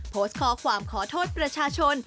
โพสต์ข้อความขอโทษประชาชน